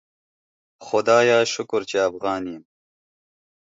خدایه شکر چی افغان یم